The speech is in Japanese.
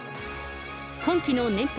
今季の年俸